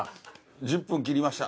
１０分切りました。